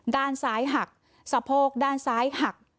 ด้านซ้ายหักสะโพกด้านซ้ายหัก